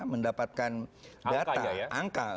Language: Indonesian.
mendapatkan data angka